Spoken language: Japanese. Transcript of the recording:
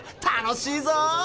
楽しいぞ！